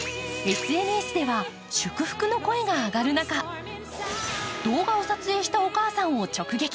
ＳＮＳでは祝福の声が上がる中、動画を撮影したお母さんを直撃。